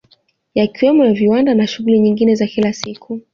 Yakiwemo ya viwanda na shughuli nyingine za kila siku